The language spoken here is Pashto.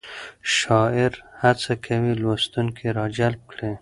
شاعر هڅه کوي لوستونکی راجلب کړي.